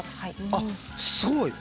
あっすごい！